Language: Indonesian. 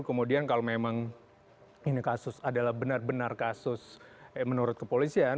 kemudian kalau memang ini kasus adalah benar benar kasus eh menurut kepolisian